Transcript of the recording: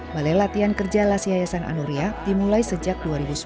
balai latihan kerja las yayasan anuria dimulai sejak dua ribu sebelas